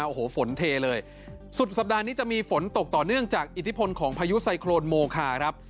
โอ้โหฝนเทเลยสุดสัปดาห์นี้จะมีฝนตกต่อเนื่องจากอิทธิพลของพายุไซโครนโมคาครับ